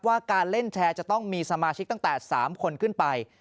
ว่าการเล่นแชร์จะต้องมีสมาชิกตั้งแต่๓คนขึ้นไป